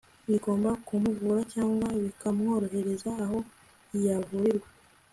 bigomba kumuvura cyangwa bikamwohereza aho yavurirwa